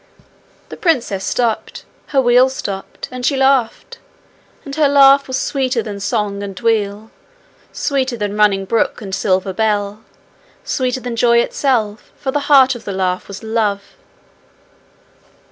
The princess stopped, her wheel stopped, and she laughed. And her laugh was sweeter than song and wheel; sweeter than running brook and silver bell; sweeter than joy itself, for the heart of the laugh was love.